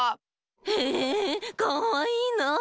へえかわいいなあ。